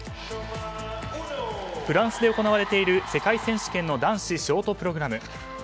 フランスで行われている世界選手権の男子ショートプログラム。